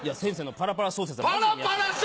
パラパラ小説